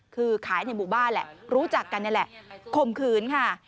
คือขายในหมู่บ้านแหละรู้จักกันนี่แหละข่มขืนค่ะ